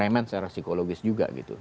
yang remeh secara psikologis juga gitu